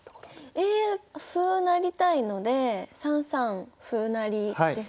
え歩を成りたいので３三歩成ですかね。